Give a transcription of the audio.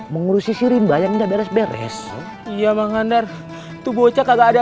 mengurusi si rimba yang enggak beres beres iya makandar tuh bocah kagak ada